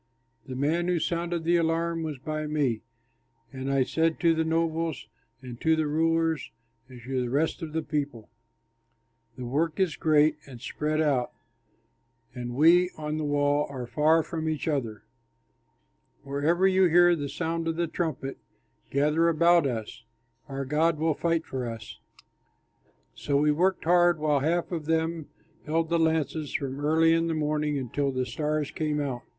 The man who sounded the alarm was by me; and I said to the nobles and to the rulers and to the rest of the people, "The work is great and spread out, and we on the wall are far from each other. Wherever you hear the sound of the trumpet, gather about us; our God will fight for us." So we worked hard, while half of them held the lances from early in the morning until the stars came out.